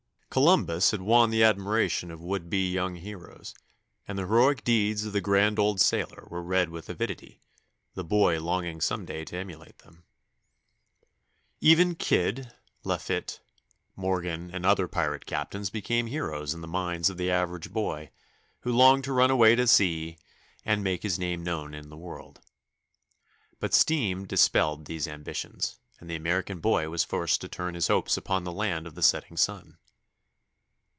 Columbus had won the admiration of would be young heroes, and the heroic deeds of the grand old sailor were read with avidity, the boy longing some day to emulate them. Even Kyd, Lafitte, Morgan, and other pirate captains became heroes in the minds of the average boy, who longed to run away to sea and make his name known in the world. But steam dispelled these ambitions, and the American boy was forced to turn his hopes upon the land of the setting sun.